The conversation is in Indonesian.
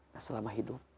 nah selama hidup